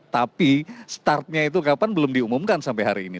tapi startnya itu kapan belum diumumkan sampai hari ini